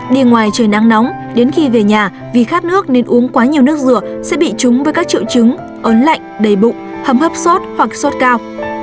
đi ngoài trời nắng nóng đến khi về nhà vì khát nước nên uống quá nhiều nước rửa sẽ bị trúng với các triệu chứng ớn lạnh đầy bụng hầm hấp sốt hoặc sốt cao